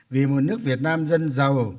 vì một nước việt nam dân giàu